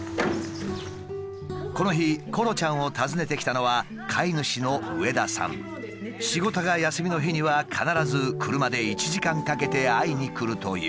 この日コロちゃんを訪ねてきたのは仕事が休みの日には必ず車で１時間かけて会いに来るという。